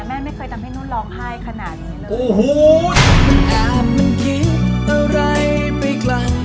แม่ไม่เคยทำให้นุ่นร้องไห้ขนาดนี้เลย